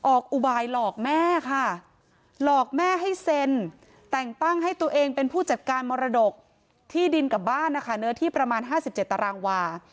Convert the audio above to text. อุบายหลอกแม่ค่ะหลอกแม่ให้เซ็นแต่งตั้งให้ตัวเองเป็นผู้จัดการมรดกที่ดินกับบ้านนะคะเนื้อที่ประมาณ๕๗ตารางวา